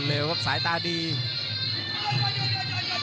กำปั้นขวาสายวัดระยะไปเรื่อย